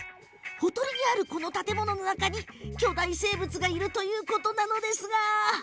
ほとりにあるこの建物に巨大生物がいるらしいのですが。